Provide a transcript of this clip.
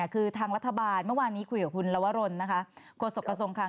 คือทางรัฐบาลเมื่อวานนี้คุยกับคุณลวรรณคนสกสงครัง